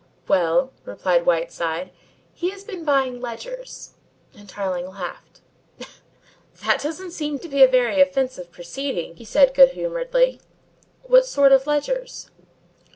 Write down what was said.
"Well," replied Whiteside, "he has been buying ledgers," and Tarling laughed. "That doesn't seem to be a very offensive proceeding," he said good humouredly. "What sort of ledgers?"